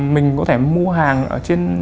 mình có thể mua hàng ở trên